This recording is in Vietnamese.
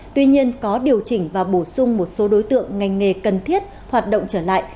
tuy nhiên có điều chỉnh và bổ sung một số đối tượng ngành nghề cần thiết hoạt động trở lại